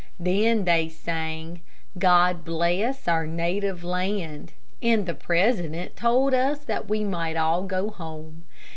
Then they sang, "God Bless our Native Land," and the president told us that we might all go home.